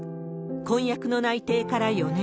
婚約の内定から４年。